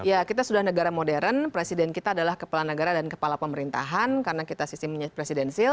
ya kita sudah negara modern presiden kita adalah kepala negara dan kepala pemerintahan karena kita sistem presidensil